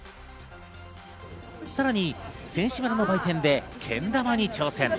さらに選手村の売店でけん玉に挑戦。